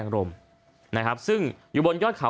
โปรดติดตามต่อไป